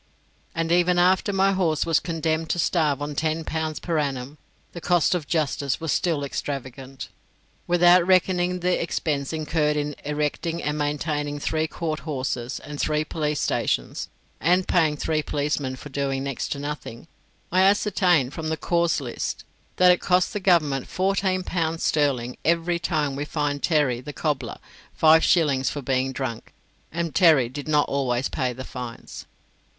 And even after my horse was condemned to starve on ten pounds per annum, the cost of justice was still extravagant. Without reckoning the expense incurred in erecting and maintaining three court houses, and three police stations, and paying three policemen for doing next to nothing, I ascertained from the cause lists that it cost the Government fourteen pounds sterling every time we fined Terry, the cobbler, five shillings for being drunk; and Terry did not always pay the fines.